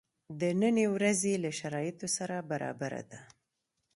د نني ورځی له شرایطو سره برابره ده.